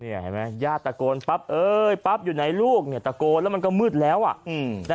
เห็นไหมญาติตะโกนปั๊บเอ้ยปั๊บอยู่ไหนลูกเนี่ยตะโกนแล้วมันก็มืดแล้ว